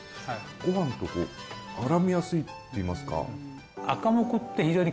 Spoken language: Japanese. ご飯とこう絡みやすいっていいますか。